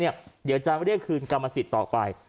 เดี๋ยวจะเรียกคืนกรรมสิทธิ์ต่อไป